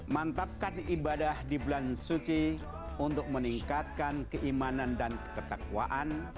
mantapkan ibadah di bulan suci untuk meningkatkan keimanan dan ketakwaan